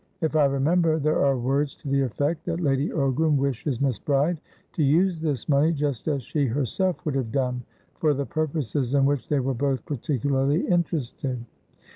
If I remember, there are words to the effect that Lady Ogram wishes Miss Bride to use this money just as she herself would have done, for the purposes in which they were both particularly interested.